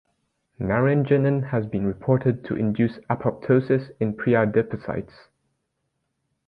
Naringenin has been reported to induce apoptosis in preadipocytes.